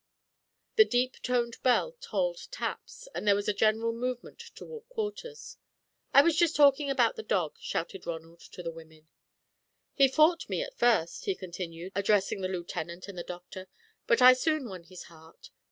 The deep toned bell tolled taps, and there was a general movement toward quarters. "I was just talking about the dog," shouted Ronald to the women. "He fought me at first," he continued, addressing the Lieutenant and the Doctor; "but I soon won his heart.